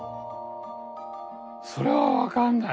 それは分かんない！